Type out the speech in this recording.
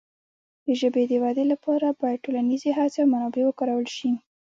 د ژبې د وده لپاره باید ټولنیزې هڅې او منابع وکارول شي.